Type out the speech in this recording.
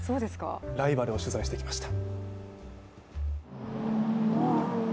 ライバルを取材してきました。